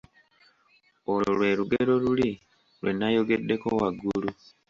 Olwo lwe lugero luli lwe nayogeddeko waggulu.